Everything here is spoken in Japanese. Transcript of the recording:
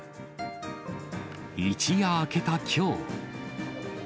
一夜明けたきょう。